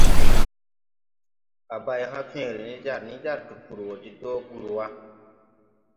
A bay hãã fẽẽre ne jar ni jar Tpur wo de do gur wa.